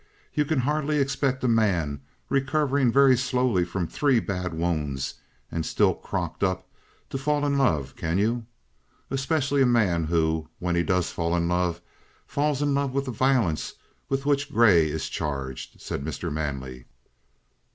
You can hardly expect a man, recovering very slowly from three bad wounds and still crocked up, to fall in love, can you? Especially a man who, when he does fall in love, falls in love with the violence with which Grey is charged," said Mr. Manley.